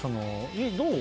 どう？